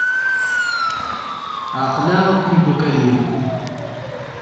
Ɛeqleɣ imeddukal-iw.